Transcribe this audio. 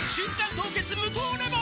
凍結無糖レモン」